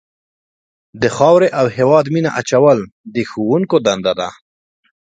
د خاورې او هېواد مینه اچول د ښوونکو دنده ده.